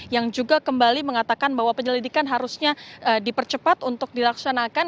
yang juga kembali mengatakan bahwa penyelidikan harusnya dipercepat untuk dilaksanakan